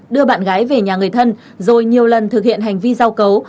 đưa bạn gái về nhà người thân rồi nhiều lần thực hiện hành vi giao cấu